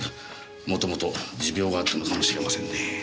もともと持病があったのかもしれませんね。